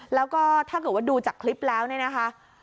แล้วก็ถ้าเกิดว่าดูจากคลิปแล้วเนี่ยนะคะ